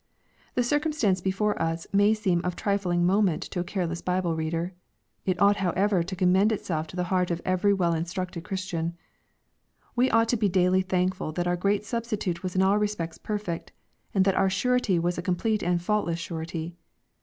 The circumstance before us may seem of trifling mo ment to a careless Bible reader. It ought however to commend itself to the heart of_every well instructed Christian. We ought to be daily thankful that our great Substitute was in all respects perfect, and that our Surety was a complete and.faultless Surety.